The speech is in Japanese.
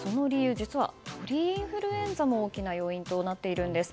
実は、鳥インフルエンザも大きな要因となっているんです。